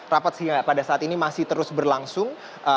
rapat sehingga pada saat ini masih terus berlangsung